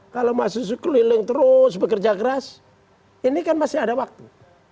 kalau mas susi keliling terus bekerja keras ini kan masih ada waktu